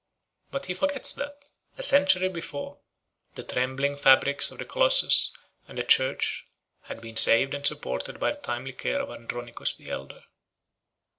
But he forgets that, a century before, the trembling fabrics of the colossus and the church had been saved and supported by the timely care of Andronicus the Elder.